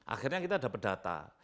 akhirnya kita dapat data